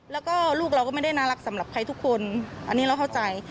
แล้วก็ลูกเราก็ไม่ได้น่ารักสำหรับใครทุกคนอันนี้เราเข้าใจ